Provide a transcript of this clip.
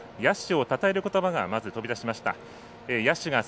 野手をたたえることばが飛び出しました。